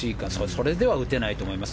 それでは打てないと思います。